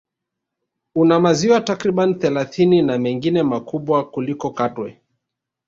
Una maziwa takriban thelathini na mengine makubwa kuliko Katwe